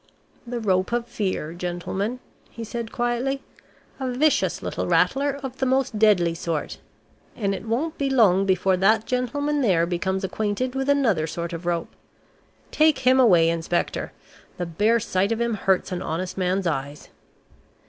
"The Rope of Fear, gentlemen," he said quietly, "a vicious little rattler of the most deadly sort. And it won't be long before that gentleman there becomes acquainted with another sort of rope. Take him away, Inspector. The bare sight of him hurts an honest man's eyes."